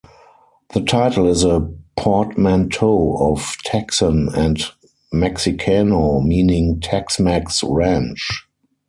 The title is a portmanteau of "texan" and "mexicano", meaning "Tex-mex Ranch".